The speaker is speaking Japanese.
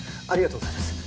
ありがとうございます。